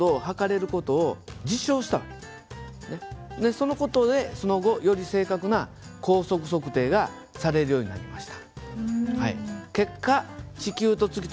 その事でその後より正確な光速測定がされるようになりました。